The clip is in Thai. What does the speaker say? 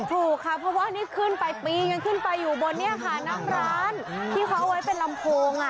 ถูกค่ะเพราะว่านี่ขึ้นไปปีนกันขึ้นไปอยู่บนเนี่ยค่ะนั่งร้านที่เขาเอาไว้เป็นลำโพง